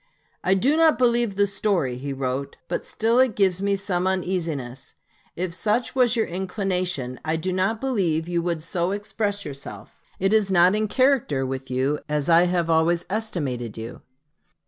"I do not believe the story," he wrote, "but still it gives me some uneasiness. If such was your inclination, I do not believe you would so express yourself. It is not in character with you as I have always estimated you."